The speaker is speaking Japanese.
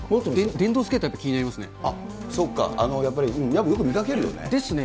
電動スケーター、やっぱ気になりそうか、やっぱり、よく見かですね。